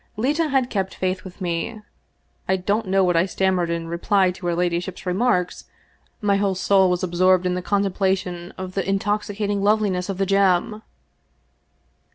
Leta had kept faith with me. I don't know what I stammered in reply to her ladyship's remarks; my whole soul was ab sorbed in the contemplation of the intoxicating loveliness of the gem.